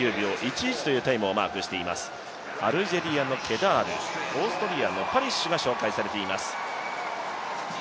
アルジェリアのケダール、オーストリアのパリッシュが紹介されています。